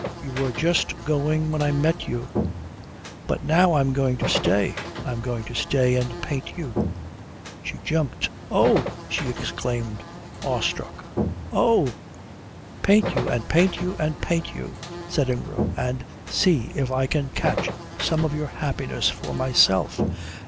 You were just going when I met you." "But now I'm going to stay. I'm going to stay and paint you." She jumped. "Oh!" she exclaimed, awe struck. "Oh " "Paint you, and paint you, and paint you," said Ingram, "and see if I can catch some of your happiness for myself.